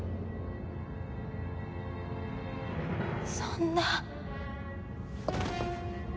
そんな。